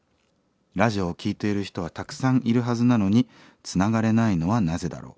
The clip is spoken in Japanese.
ラジオを聴いている人はたくさんいるはずなのにつながれないのはなぜだろう。